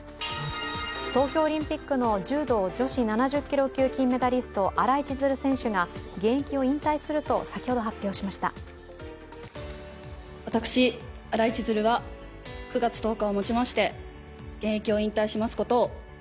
東京オリンピックの柔道女子７０キロ級金メダリスト、新井千鶴選手が現役を引退すると先ほど発表しました。